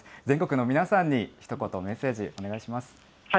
全国の皆さんに、ひと言メッセージお願いします。